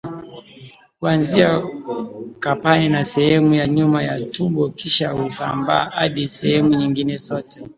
Huanzia kwapani na sehemu ya nyuma ya tumbo kisha husambaa hadi sehemu nyingine zote